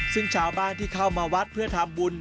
ซึ่งชาวบ้านที่เข้ามาวัดเพื่อทำบุญ